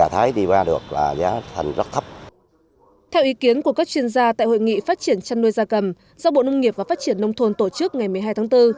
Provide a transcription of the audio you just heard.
theo ý kiến của các chuyên gia tại hội nghị phát triển chăn nuôi gia cầm do bộ nông nghiệp và phát triển nông thôn tổ chức ngày một mươi hai tháng bốn